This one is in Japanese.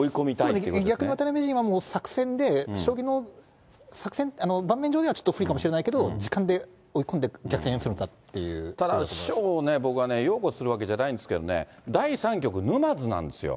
そうですね、逆に渡辺名人はもう作戦で将棋の作戦、盤面上では、ちょっと不利かもしれないけど、時間で追い込んで、逆転するただ、師匠ね、僕はね、擁護するわけじゃないんですけどもね、第３局沼津なんですよ。